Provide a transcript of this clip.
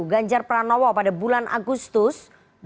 ganjar pranowo pada bulan agustus